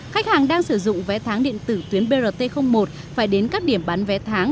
khách hàng đang sử dụng vé tháng điện tử tuyến brt một phải đến các điểm bán vé tháng